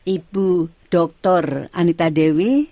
ibu dr anita dewi